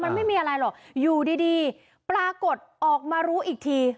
มันไม่มีอะไรหรอกอยู่ดีปรากฏออกมารู้อีกที